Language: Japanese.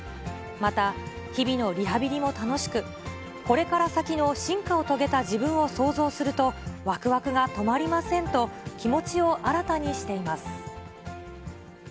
また、日々のリハビリも楽しく、これから先の進化を遂げた自分を想像すると、わくわくが止まりませんと、気持ちを新たにしています。